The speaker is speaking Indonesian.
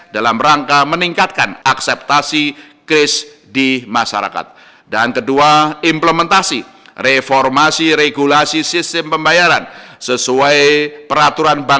dalam rangka meningkatkan akseptasi dan kemampuan ekonomi nasional